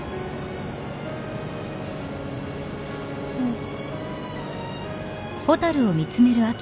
うん。